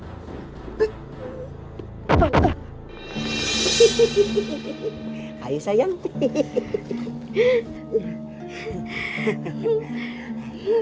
terima kasih kakangku sayangku